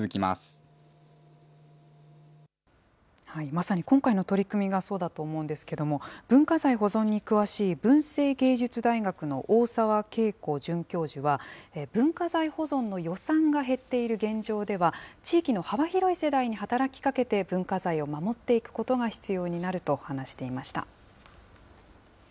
まさに今回の取り組みがそうだと思うんですけれども、文化財保存に詳しい文星芸術大学の大澤慶子准教授は、文化財保存の予算が減っている現状では、地域の幅広い世代に働きかけて、文化財を守っていくことが必要になると話していました。